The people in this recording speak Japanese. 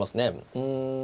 うん。